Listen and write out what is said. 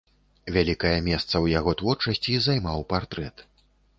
Вялікае месца ў яго творчасці займаў партрэт.